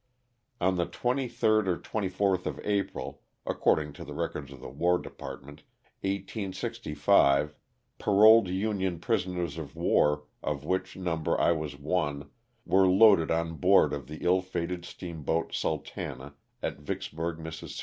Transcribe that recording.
On the 23d or 24th of April, (according to the records of the War Department) 1865, paroled union prisoners of war, of which number I was one, were loaded on board of the ill fated steamboat, "Sultana," at Vicksburg, Miss.